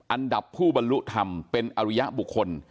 อันดับผู้บรรลุธรรมเป็นอริยบุคคล